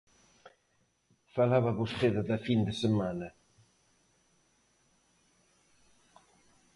Falaba vostede da fin de semana.